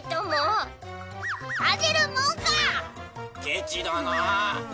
ケチだなあ。